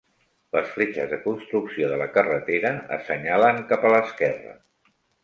Les fletxes de construcció de la carretera assenyalen cap a l'esquerra.